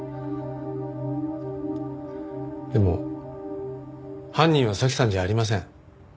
でも犯人は早紀さんじゃありません。